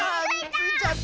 ついちゃった！